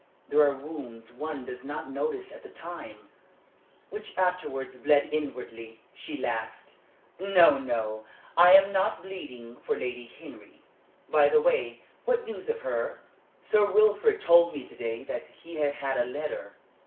There are wounds one does not notice at the time " "Which afterwards bleed inwardly?" She laughed. "No, no, I am not bleeding for Lady Henry. By the way, what news of her?" "Sir Wilfrid told me to day that he had had a letter.